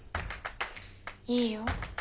いいよ。